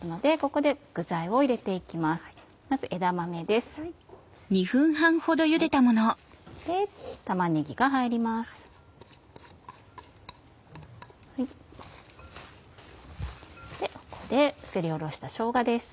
ここですりおろしたしょうがです。